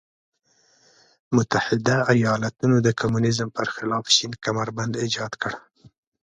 متحده ایالتونو د کمونیزم پر خلاف شین کمربند ایجاد کړ.